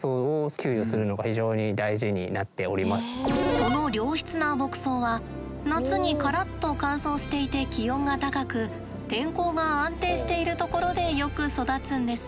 その良質な牧草は夏にカラッと乾燥していて気温が高く天候が安定しているところでよく育つんです。